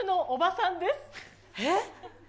えっ？